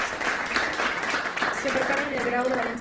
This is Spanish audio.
Se embarcaron en el Grao de Valencia.